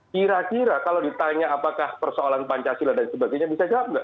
kira kira kalau ditanya apakah persoalan pancasila dan sebagainya bisa jawab nggak